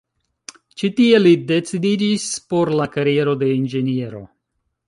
Ĉi tie li decidiĝis por la kariero de Inĝeniero.